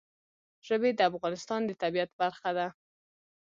ژبې د افغانستان د طبیعت برخه ده.